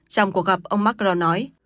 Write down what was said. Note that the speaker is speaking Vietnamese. trong cuộc gặp ông macron nói